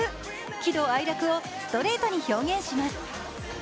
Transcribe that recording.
喜怒哀楽をストレートに表現します。